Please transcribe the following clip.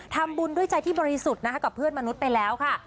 ทำบุญด้วยใจที่บริสุทธิ์นะคะกับเพื่อนมนุษย์ไปแล้วค่ะ